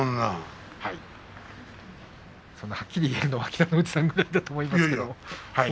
そんなはっきり言うのは北の富士さんくらいだと思います。